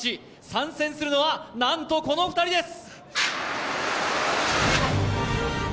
参戦するのは、なんとこの２人です！